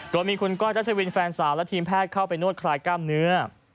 โดยมีคุณก้อยรัชวินแฟนสาวและทีมแพทย์เข้าไปนวดคลายกล้ามเนื้อ